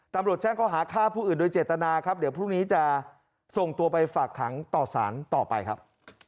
ตำรวจแจ้งเขาหาฆ่าผู้อื่นโดยเจตนาครับเดี๋ยวพรุ่งนี้จะส่งตัวไปฝากขังต่อสารต่อไปครับ